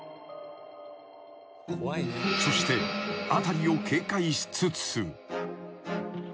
［そして辺りを警戒しつつ］